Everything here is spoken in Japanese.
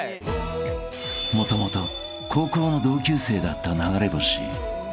［もともと高校の同級生だった流れ星☆］